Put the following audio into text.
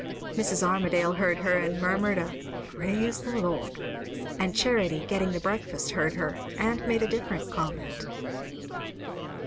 Mrs. Armadale heard her, and murmured a "Praise the Lord!" And Charity, getting the breakfast, heard her; and made a different comment.